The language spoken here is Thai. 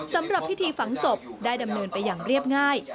สำหรับพิธีฝังศพได้ดำเนินไปอย่างเรียบง่าย